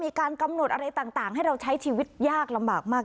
มีการกำหนดอะไรต่างให้เราใช้ชีวิตยากลำบากมาก